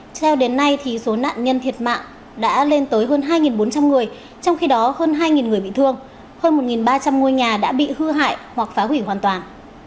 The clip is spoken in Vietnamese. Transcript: theo đến nay số nạn nhân thiệt mạng đã lên tới hơn hai bốn trăm linh người trong khi đó hơn hai người bị thương hơn một ba trăm linh ngôi nhà đã bị hư hại hoặc phá hủy hoàn toàn